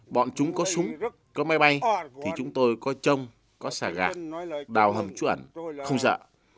bọn chúng có súng có máy bay thì chúng tôi có trông có xà gạc đào hầm chuẩn không sợ